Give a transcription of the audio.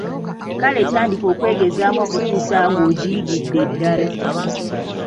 Kale tandika okwegezaamu okutuusa ng'ogiyigidde ddala.